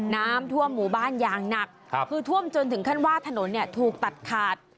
น้ำท่วมหมู่บ้านอย่างหนักคือท่วมจนถึงขั้นว่าถนนเนี่ยถูกตัดขาด